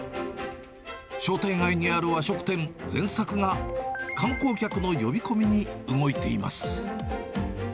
商店街にある和食店、善作が、観光客の呼び込みに動いています。